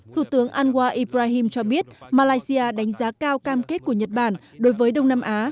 thủ tướng ango ibrahim cho biết malaysia đánh giá cao cam kết của nhật bản đối với đông nam á